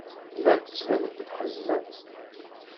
Llant ttbanent-d ḥeznent.